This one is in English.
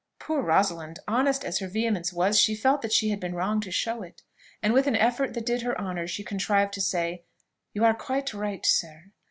Poor Rosalind! Honest as her vehemence was, she felt that she had been wrong to show it, and with an effort that did her honour she contrived to say "You are quite right, sir.